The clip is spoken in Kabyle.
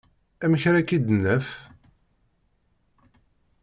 Amek ara k-id-naf?